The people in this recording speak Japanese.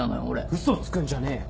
ウソつくんじゃねえよ！